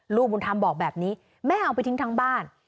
ลูกบุญธรรมบอกแบบนี้แม่เอาไปทิ้งทั้งบ้าน